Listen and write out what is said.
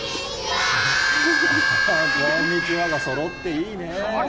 こんにちはがそろって、いいね。